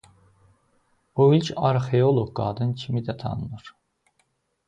O ilk arxeoloq qadın kimi də tanınır.